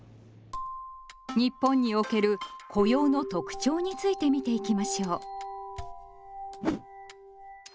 日本における雇用の特徴について見ていきましょう。